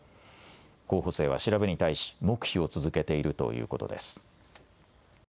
候補生は調べに対し黙秘を続けているということです。